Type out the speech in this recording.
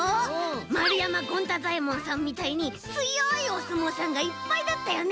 丸山権太左衛門さんみたいにつよいおすもうさんがいっぱいだったよね。